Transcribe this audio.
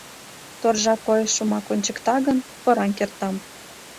Торжа койышымак ончыкта гын, кораҥ кертам».